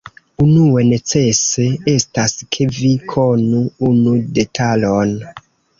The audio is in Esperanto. Unue necese estas, ke vi konu unu detalon.